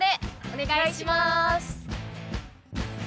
お願いします。